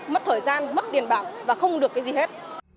mất thời gian mất tiền bảng và không được cái gì hết